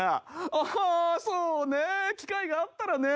「ああそうね機会があったらね」。